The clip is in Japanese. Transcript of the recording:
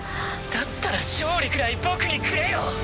だったら勝利くらい僕にくれよ。